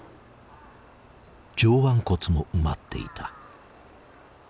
上腕骨も埋まっていた。